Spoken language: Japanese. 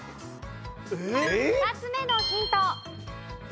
２つ目のヒント。